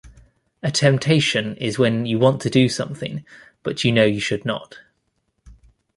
A temptation is when you want to do something but know you should not.